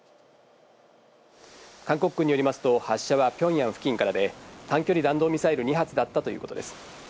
韓国軍によりますと発射はピョンヤン付近からで短距離弾道ミサイル２発だったということです。